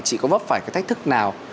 chị có góp phải cái thách thức nào